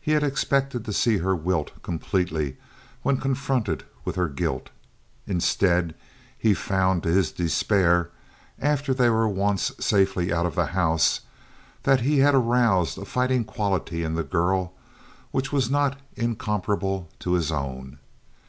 He had expected to see her wilt completely when confronted with her guilt. Instead, he found, to his despair, after they were once safely out of the house, that he had aroused a fighting quality in the girl which was not incomparable to his own.